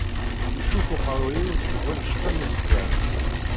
Icuf uqerru-w seg wanect-a n usefhem.